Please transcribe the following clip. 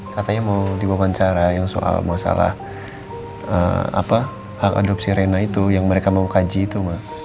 katanya mau diwawancara yang soal masalah hak adopsi rena itu yang mereka mau kaji itu